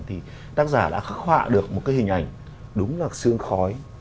thì tác giả đã khắc họa được một cái hình ảnh đúng là sương khói